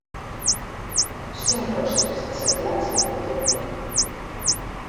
Cinc rostres encerclats la contemplen.